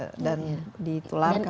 ya mudah menular dan ditularkan